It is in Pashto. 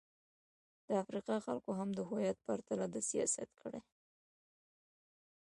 د افریقا خلکو هم د هویت پر تله د سیاست کړې.